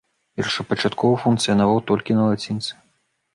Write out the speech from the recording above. Першапачаткова функцыянаваў толькі на лацініцы.